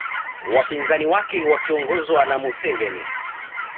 Wapinzani wake wakiongozwa na Museveni